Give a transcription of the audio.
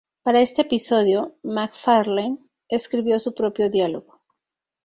Para este episodio, MacFarlane escribió su propio diálogo.